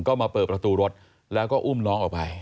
ก็มาเปิดประตูรถแล้วก็อุ้มน้องออกไป